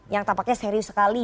yang tampaknya serius sekali